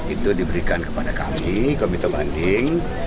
itu diberikan kepada kami komite banding